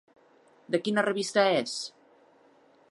De quina revista és?